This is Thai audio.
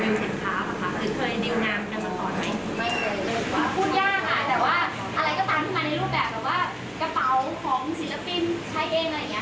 ทางเน็ตทางอะไรก็ระวังกันด้วย